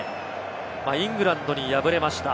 イングランドに敗れました。